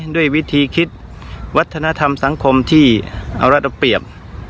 ด้วยวิธีคิดวัฒนธรรมสังคมที่เอารัฐเอาเปรียบ